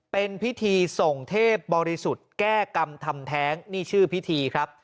เป็นพิธีส่งเทพบริสุทธิ์แก้กรรมทำแท้งนี่ชื่อพิธีครับ